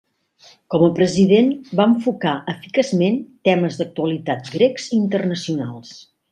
Com a president va enfocar eficaçment temes d'actualitat grecs i internacionals.